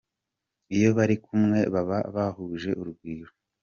Iyo bari kumwe baba bahuje urugwiro.